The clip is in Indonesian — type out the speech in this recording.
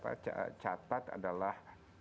apa catat adalah